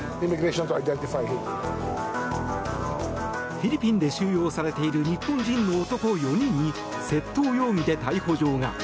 フィリピンで収容されている日本人の男４人に窃盗容疑で逮捕状が。